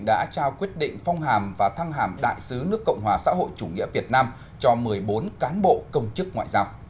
đã trao quyết định phong hàm và thăng hàm đại sứ nước cộng hòa xã hội chủ nghĩa việt nam cho một mươi bốn cán bộ công chức ngoại giao